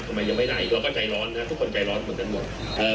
ยังไม่ได้เราก็ใจร้อนนะทุกคนใจร้อนเหมือนกันหมด